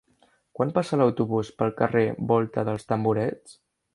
Quan passa l'autobús pel carrer Volta dels Tamborets?